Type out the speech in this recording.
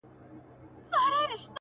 دا چي مي تر سترګو میکده میکده کيږې,